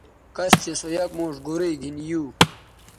کش چہء سو یک موݜ گورئ گِھن یو